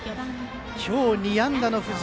今日２安打の藤井。